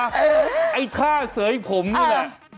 ไอ้ท่าเสยผมนี่แหละ